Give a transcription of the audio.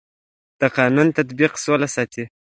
د قانون تطبیق سوله ساتي